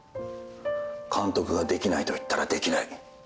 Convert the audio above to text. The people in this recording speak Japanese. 監督ができないと言ったらできない。